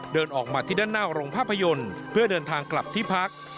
เดินออกมาที่ด้านหน้าโรงภาพยนตร์เพื่อเดินทางกลับที่พัก